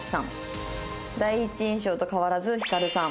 「第一印象と変わらずヒカルさん」。